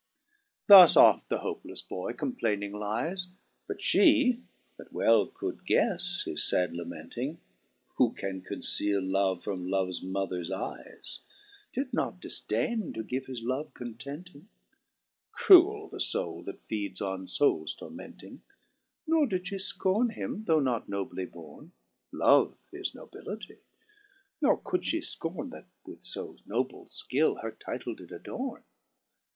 4 Thus oft the hopelefle boy complayning lyes ; But fhe, that well could guefle his fad lamenting, (Who can conceal love from Loves mothers eyes ?) Did not difdaine to give his love contenting ; Cruel the foule that feeds on foules tormenting : Nor did (he fcorne him, though not nobly borne, (Love is nobility) nor could (he fcorne That with fo noble (kill her title did adorne.